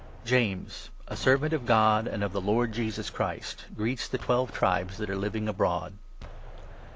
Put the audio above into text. JAMES, a Servant of God and of the Lord Jesus Christ, i 1 greets The Twelve Tribes that are living abroad.